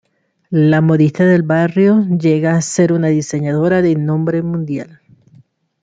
La modista del barrio llega a ser una diseñadora de nombre mundial.